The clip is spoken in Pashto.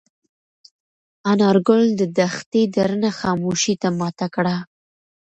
انارګل د دښتې درنه خاموشي ماته کړه.